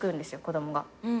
子供が。